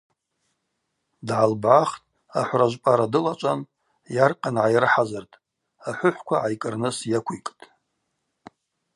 Дгӏалбгӏахтӏ, ахӏвра жвпӏара дылачӏван йаркъан гӏайрыхӏазыртӏ: ахӏвыхӏвква гӏайкӏырныс йыквикӏтӏ.